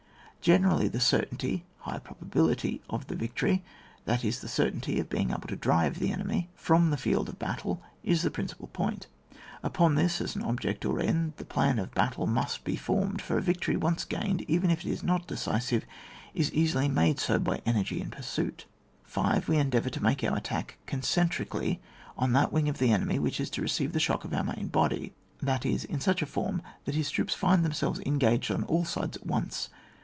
4. (Generally the certainty (high pro bability) of the victory — that is, the cer tainty of being able to drive the enemy from the field of battle, is the principal point. Upon this, as an object or end, the plan of the battle must be formed, for a victory once gained, even if it is not decisive^ is easily made so by energy in pursuit. 5. We endeavour to make our attack concentrically on that wing of the enemy which is to receive the shock of our main body, that is, in such a form that his troops find themselves engaged on all sides at once.